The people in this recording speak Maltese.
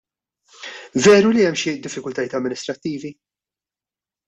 Veru li hemm xi diffikultajiet amministrattivi?